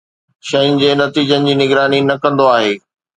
شين جي نتيجن جي نگراني نه ڪندو آهي